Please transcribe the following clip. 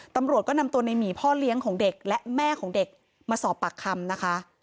ตำรวจก็นำตัวในหมีพ่อเลี้ยงของเด็กและแม่ของเด็กมาสอบปากคำนะคะ